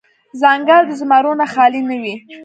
ـ ځنګل د زمرو نه خالې نه وي.